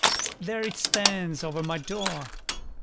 There it stands over my door.